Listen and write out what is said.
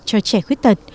cho trẻ khuyết tật